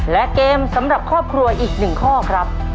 และเกมสำหรับครอบครัวอีก๑ข้อครับ